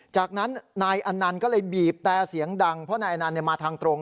จากนั้นนายอันนันต์ก็เลยบีบแต่เสียงดังเพราะนายอนันต์มาทางตรง